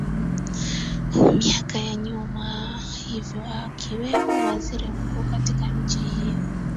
miaka ya nyuma hivyo akiwemo waziri mkuu katika nchi hiyo